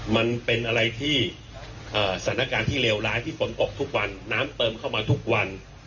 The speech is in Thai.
มันเป็นอะไรที่สถานการณ์ที่เลวร้ายที่ฝนตกทุกวันน้ำเติมเข้ามาทุกวัน